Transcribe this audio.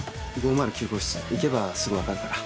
行けばすぐ分かるから。